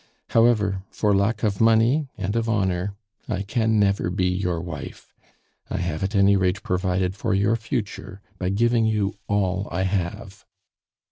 However, for lack of money and of honor, I can never be your wife. I have at any rate provided for your future by giving you all I have.